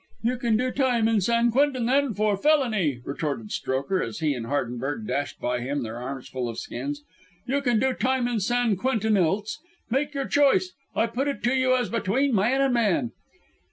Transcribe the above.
"You can do time in San Quentin, then, for felony," retorted Strokher as he and Hardenberg dashed by him, their arms full of the skins. "You can do time in San Quentin else. Make your choice. I put it to you as between man and man."